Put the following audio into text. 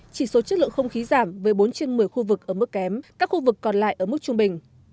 chỉ số chất lượng không khí giảm với bốn trên một mươi khu vực ở mức kém các khu vực còn lại ở mức trung bình